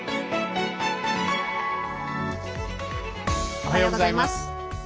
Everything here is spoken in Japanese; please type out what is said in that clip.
おはようございます。